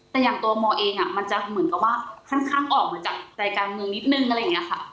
แต่อย่างตัวโมเองมันจะเหมือนกับว่าค่อนข้างออกมาจากใจการเมืองนิดนึงอะไรอย่างนี้ค่ะ